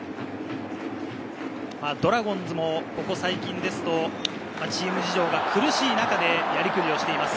ドラゴンズもここ最近ですと、チーム事情が苦しい中でやりくりをしています。